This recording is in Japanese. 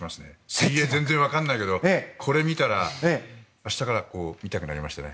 水泳全然分からないけどこれ見たら明日から世界水泳見たくなりましたね。